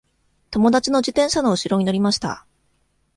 友達の自転車のうしろに乗りました。